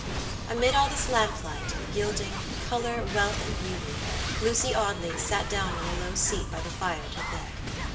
Amid all this lamplight, gilding, color, wealth, and beauty, Lucy Audley sat down on a low seat by the fire to think.